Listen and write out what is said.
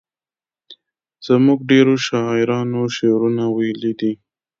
زموږ ډیرو شاعرانو شعرونه ویلي دي.